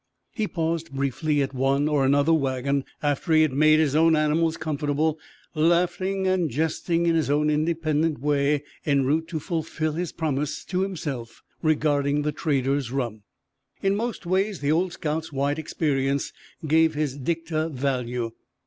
He paused briefly at one or another wagon after he had made his own animals comfortable, laughing and jesting in his own independent way, en route to fulfill his promise to himself regarding the trader's rum. In most ways the old scout's wide experience gave his dicta value.